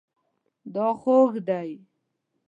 دا خوږ دی